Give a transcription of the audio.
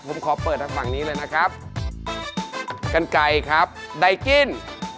ผมขอเปิดทางฝั่งนี้เลยนะครับกันไก่ครับไดกิ้น